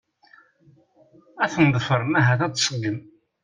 Ad ten-ḍefren ahat ad tseggem.